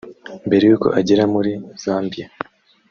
Mbere y’uko agera muri Zambia